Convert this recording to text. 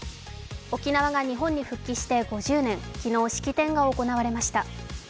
沖縄が日本に復帰して５０年昨日、式典が行われました。